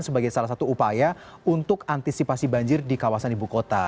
sebagai salah satu upaya untuk antisipasi banjir di kawasan ibu kota